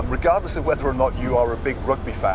tidak kira apakah anda adalah penggemar rugby besar